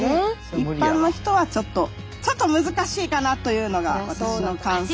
一般の人はちょっとちょっと難しいかなというのが私の感想でしたね。